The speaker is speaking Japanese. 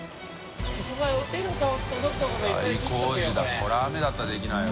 これは雨だったらできないわ。